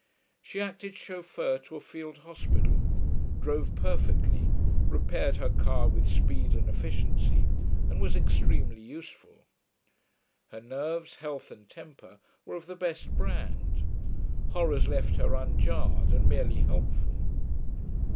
She acted chauffeur to a field hospital, drove perfectly, repaired her car with speed and efficiency, and was extremely useful. Her nerves, health, and temper were of the best brand; horrors left her unjarred and merely helpful.